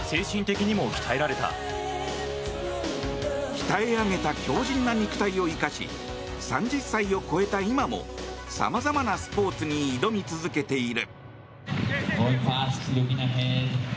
鍛え上げた強じんな肉体を生かし３０歳を超えた今も、さまざまなスポーツに挑み続けている。